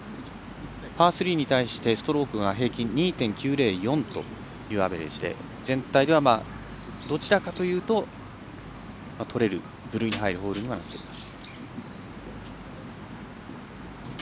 パー３に対してストロークが平均２．９０４というアベレージで、全体ではどちらかというと難しいホールにはなっています。